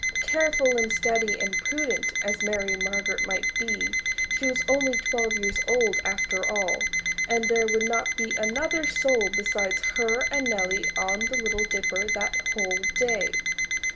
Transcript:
Careful and steady and prudent as Mary Margaret might be, she was only twelve years old, after all, and there would not be another soul besides her and Nellie on the Little Dipper that whole day.